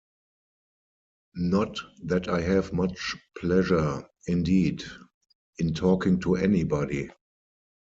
Not that I have much pleasure, indeed, in talking to anybody.